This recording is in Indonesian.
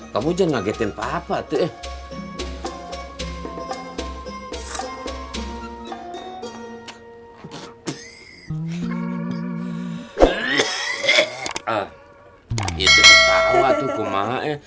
kamu jangan ngagetin papa tuh eh